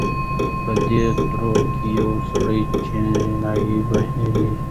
په دې دره کې یوه سړه چینه بهېږي.